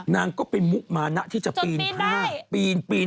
นางก็เป็นมุมานะที่จะปีนผ้าปีน